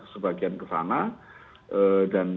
sebagian ke sana dan